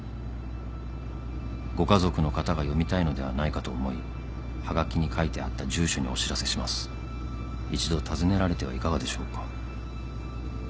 「ご家族の方が読みたいのではないかと思いはがきに書いてあった住所にお知らせします」「一度訪ねられてはいかがでしょうか」